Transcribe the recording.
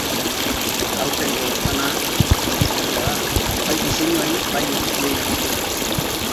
Aurtengo stand-a guztiz berria da, bai diseinuari bai edukiei dagokienez.